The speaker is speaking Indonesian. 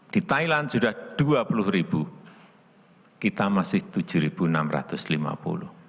di thailand sudah rp dua puluh kita masih rp tujuh enam ratus lima puluh